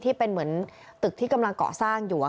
ที่เป็นเหมือนตึกที่กำลังเกาะสร้างอยู่